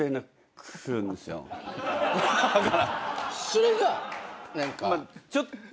それが何か。